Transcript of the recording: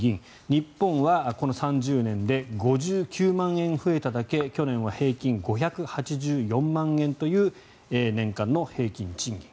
日本は、この３０年で５９万円増えただけ去年は平均５８４万円という年間の平均賃金。